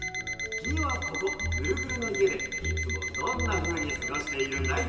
きみはここぐるぐるのいえでいつもどんなふうにすごしているんだい？